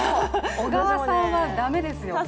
小川さんは駄目ですよ。